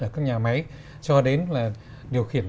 ở các nhà máy cho đến là điều khiển